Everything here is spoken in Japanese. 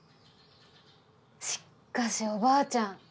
しっかしおばあちゃん